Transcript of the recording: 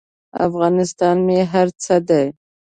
افغانستان مې هر څه دی.